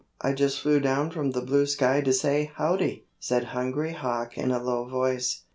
I just flew down from the blue sky to say 'Howdy!'" said Hungry Hawk in a low voice.